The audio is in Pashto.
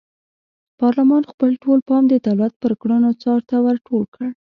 پارلمان خپل ټول پام د دولت پر کړنو څار ته ور ټول کړ.